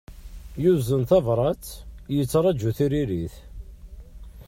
Yuzen tabrat, yettraju tiririt.